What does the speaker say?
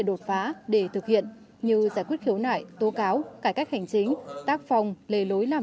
đột phá để thực hiện như giải quyết khiếu nại tố cáo cải cách hành chính tác phòng lề lối làm